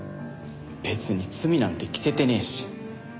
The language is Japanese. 別に罪なんて着せてねえし。